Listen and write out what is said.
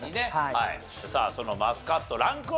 さあそのマスカットランクは？